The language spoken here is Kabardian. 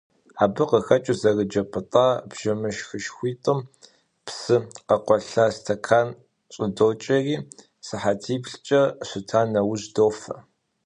Абы къыхэкӏыу, зэрыджэ пӏытӏа бжэмышхышхуитӏым псы къэкъуалъэ стэкан щӏыдокӏэри, сыхьэтиплӏкӏэ щыта нэужь, дофэ.